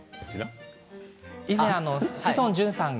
以前、志尊淳さん